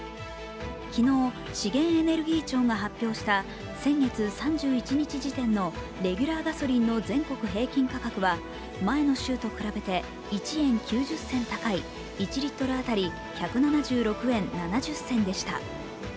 昨日、資源エネルギー庁が発表した先月３１日時点のレギュラーガソリンの全国平均価格は前の週と比べて１円９０銭高い１リットル当たり１７６円７０銭でした。